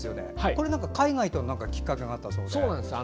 これは海外できっかけがあったそうで。